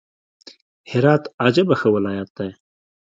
هرات عجبه ښه ولايت دئ!